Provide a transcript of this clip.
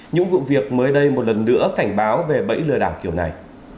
những vụ việc mới đây một lần nữa cảnh báo về bẫy lừa đảo kiểu này